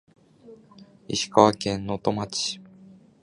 石川県能登町